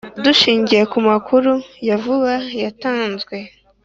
Dushingiye ku makuru ya vuba yatanze